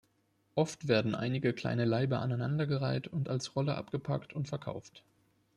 Oft werden einige kleine Laibe aneinandergereiht und als Rolle abgepackt und verkauft.